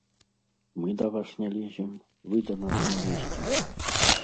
Мы да вас не лезем, вы да нас не лезьце.